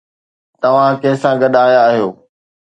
توهان ڪنهن سان گڏ آيا آهيو؟